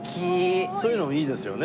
そういうのもいいですよね？